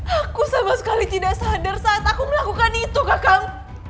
aku sama sekali tidak sadar saat aku melakukan itu kakang